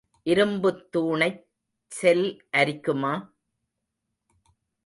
இரும்புத் தூணைச் செல் அரிக்குமா?